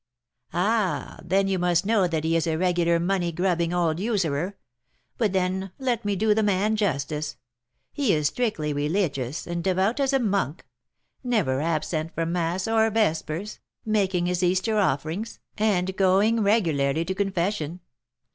"Ah! then you must know that he is a regular money grubbing old usurer; but then, let me do the man justice. He is strictly religious, and devout as a monk; never absent from mass or vespers, making his Easter offerings, and going regularly to confession.